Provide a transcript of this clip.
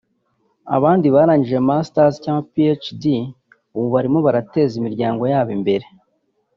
abandi barangije Masters cyangwa PhDs ubu barimo barateza imiryango yabo imbere